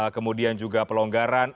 kemudian juga pelonggaran